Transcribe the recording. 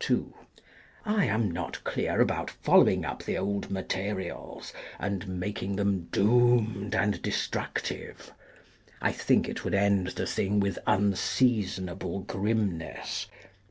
2. I am not clear about following up the old Materials, and making them doomed and destructive. I think it would end the thing with unseasonable grimness.